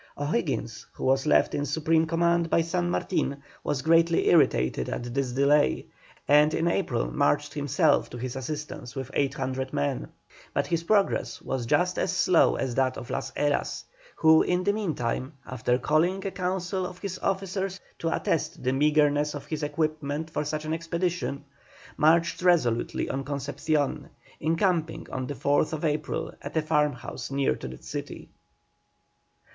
O'Higgins, who was left in supreme command by San Martin, was greatly irritated at this delay, and in April marched himself to his assistance, with 800 men. But his progress was just as slow as that of Las Heras, who in the meantime, after calling a council of his officers to attest the meagreness of his equipment for such an expedition, marched resolutely on Concepcion, encamping on the 4th April at a farmhouse near to that city.